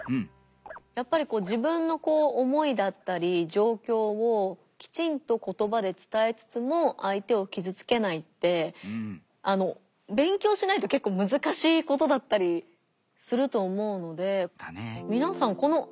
やっぱり自分の思いだったり状況をきちんと言葉で伝えつつも相手を傷つけないって勉強しないと結構難しいことだったりすると思うので。